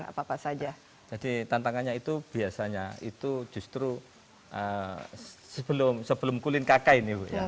apa apa saja jadi tantangannya itu biasanya itu justru sebelum kulin kk ini bu ya